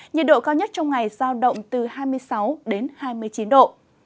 nhiệt độ cao nhất trong ngày giao động từ hai mươi sáu đến hai mươi chín độ